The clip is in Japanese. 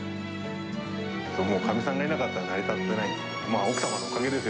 もうかみさんがいなかったら、成り立ってないです。